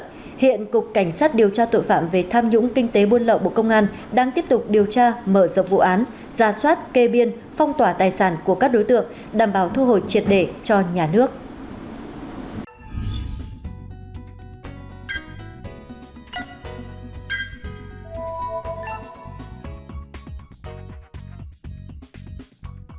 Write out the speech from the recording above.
sau khi viện kiểm sát nhân dân tối cao phê chuẩn cục cảnh sát điều tra tội phạm về tham nhũng kinh tế buôn lậu bộ công an đã thi hành các quyết định lệnh nêu trên theo quyết định của pháp luật